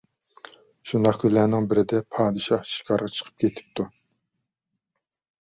شۇنداق كۈنلەرنىڭ بىرىدە پادىشاھ شىكارغا چىقىپ كېتىپتۇ.